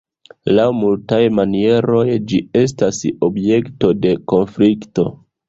Laŭ multaj manieroj ĝi estas objekto de konflikto.